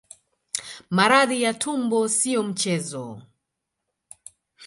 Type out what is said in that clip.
Maradhi ya tumbo sio mchezo